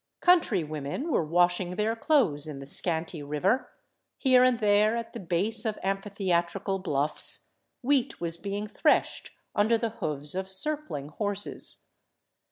Country women were washing their clothes in the scanty river ; here and there, at the base of amphitheatrical bluffs, wheat was being threshed under the hoofs of circling horses.